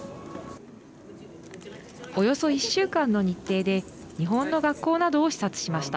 およそ１週間の日程で日本の学校などを視察しました。